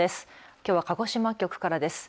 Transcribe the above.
きょうは鹿児島局からです。